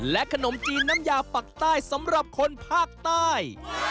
ขนมจีนน้ำยาปักใต้สำหรับคนภาคใต้